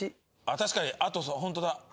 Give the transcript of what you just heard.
確かにホントだ。